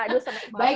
aduh senang banget